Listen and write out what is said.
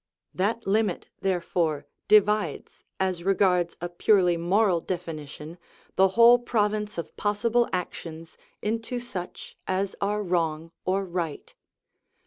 That limit, therefore, divides, as regards a purely moral definition, the whole province of possible actions into such as are wrong or right.